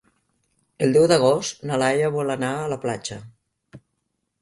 El deu d'agost na Laia vol anar a la platja.